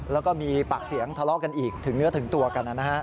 แล้วก็มีปากเสียงทะเลาะกันอีกถึงเนื้อถึงตัวกันนะฮะ